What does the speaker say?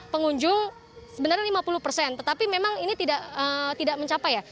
pengunjung sebenarnya lima puluh persen tetapi memang ini tidak mencapai ya